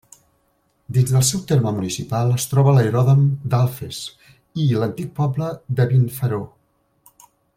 Dins del seu terme municipal es troba l'Aeròdrom d'Alfés i l'antic poble de Vinfaro.